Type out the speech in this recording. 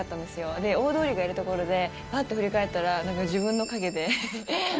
で、大通りで、いるところで、ぱっと振り返ったら、なんか自分の影で。